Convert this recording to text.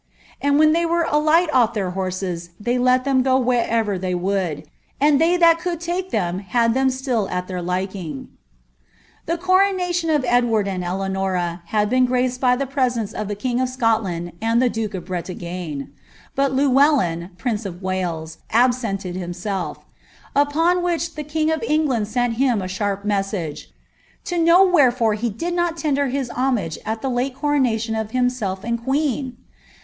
And when they were alight off their hotaca they let there go wherever they would, and they that could take them hu iheLn still at their liking." The coronation of Edward and Eleanora had been graced by the pr^ tenco of the king of Scotland and the duke of Bretagne; bnt Llewrllya, prince of Wales, absented himself; upon which the king of England sini him a sharp message, '■ to know wherefore he did not tender homage al the late coro:ialion of himself and queen